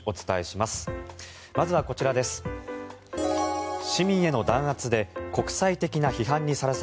まずはこちらです。